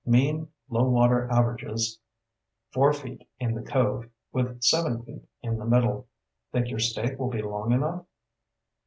"Mean low water averages four feet in the cove, with seven feet in the middle. Think your stake will be long enough?"